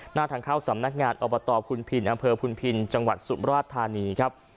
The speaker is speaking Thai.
หน้าทางเข้าสำนักงานอบตพุนพินอำเภอพุนพินจังหวัดสุมราชธานีครับ